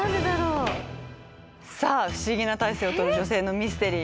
さあ不思議な体勢を取る女性のミステリー。